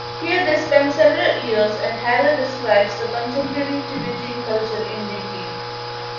Here they spent several years, and Harrer describes the contemporary Tibetan culture in detail.